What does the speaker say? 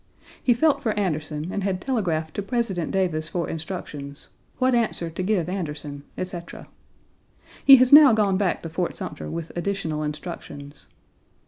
He felt for Anderson and had telegraphed to President Davis for instructions what answer to give Anderson, etc. He has now gone back to Fort Sumter with additional instructions.